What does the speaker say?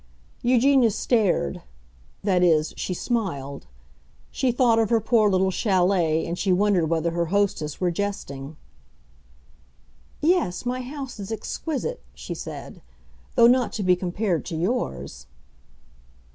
Eugenia stared—that is, she smiled; she thought of her poor little chalet and she wondered whether her hostess were jesting. "Yes, my house is exquisite," she said; "though not to be compared to yours."